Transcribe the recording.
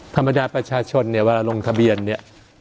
ประชาชนเนี่ยเวลาลงทะเบียนเนี่ย